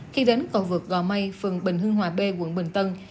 khi đến cầu vượt gò mây phường bình hương hòa b quận bình tân